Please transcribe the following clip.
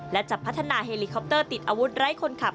และจะพัฒนาเฮลิคอปเตอร์ติดอาวุธไร้คนขับ